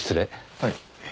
はい。